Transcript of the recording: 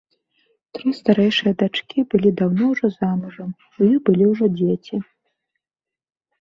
Тры старэйшыя дачкі былі даўно ўжо замужам, у іх былі ўжо дзеці.